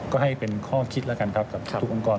ก็ให้เป็นข้อคิดแล้วกันครับกับทุกองค์กร